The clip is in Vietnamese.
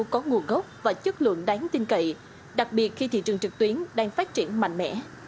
có nguồn gốc và chất lượng đáng tin cậy đặc biệt khi thị trường trực tuyến đang phát triển mạnh mẽ